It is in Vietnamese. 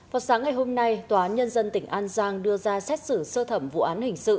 vào sáng ngày hôm nay tòa án nhân dân tỉnh an giang đưa ra xét xử sơ thẩm vụ án hình sự